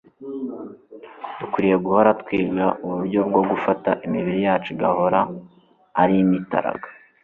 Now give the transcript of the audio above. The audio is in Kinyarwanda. dukwiriye guhora twiga uburyo bwo gufata imibiri yacu igahora ari mitaraga